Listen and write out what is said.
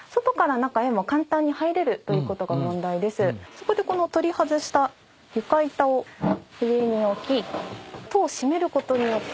そこでこの取り外した床板を上に置き戸を閉めることによって。